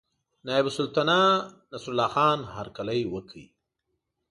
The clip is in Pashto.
نایب السلطنته نصرالله خان هرکلی وکړ.